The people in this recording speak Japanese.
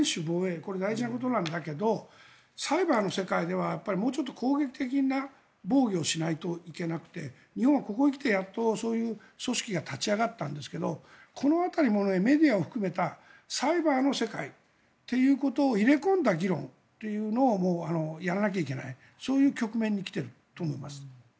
これは大事なんだけどサイバーの世界ではもうちょっと攻撃的な防御をしないといけなくて日本はやっとその辺りの組織が立ち上がったんですけどこの辺りもメディアを含めたサイバーの世界ということを入れ込んだ議論というのをやらないといけない局面に来ていると思います。